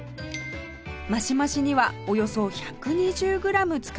増し増しにはおよそ１２０グラム使われます